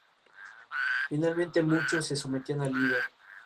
Croix, en las Islas Vírgenes de los Estados Unidos.